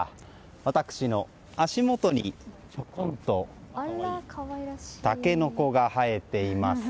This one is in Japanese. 私の足元にちょこんとタケノコが生えています。